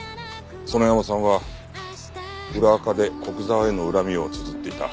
園山さんは裏アカで古久沢への恨みをつづっていた。